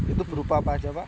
itu berupa apa aja pak